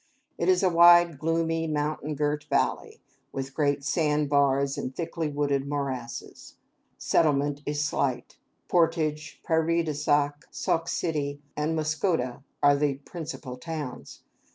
It is a wide, gloomy, mountain girt valley, with great sand bars and thickly wooded morasses. Settlement is slight. Portage, Prairie du Sac, Sauk City, and Muscoda are the principal towns.